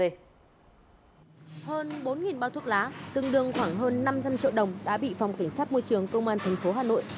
hơn bốn bao thuốc lá tương đương khoảng hơn năm trăm linh triệu đồng đã bị phòng cảnh sát môi trường công an tp hà nội